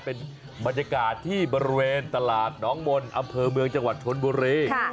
เป็นบรรยากาศที่บริเวณตลาดน้องมนต์อำเภอเมืองจังหวัดชนบุรี